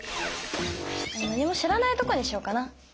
何も知らないとこにしよっかな。